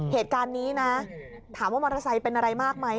เหตุการณ์นี้นะถามว่ามอเตอร์ไซค์เป็นอะไรมากไหม